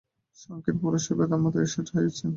সাংখ্যের পুরুষই বেদান্তের ঈশ্বর হইয়াছেন।